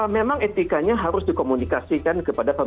memang etikanya harus dikomunikasikan kepada pemerintah